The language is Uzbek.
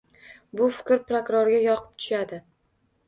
Bu fikr prokurorga yoqib tushadi